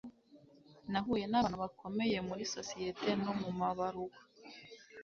nahuye n'abantu bakomeye muri sosiyete no mu mabaruwa